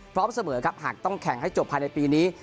พร้อมเสมอครับหากต้องแข่งให้จบภายในปีนี้